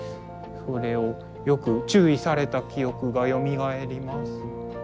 それをよく注意された記憶がよみがえります。